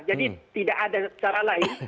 jadi tidak ada cara lain